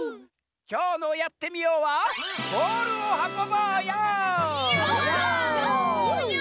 きょうの「やってみＹｏ！」はＹｏ！